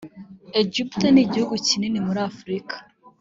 egiputa n’ igihugu kinini muri afurika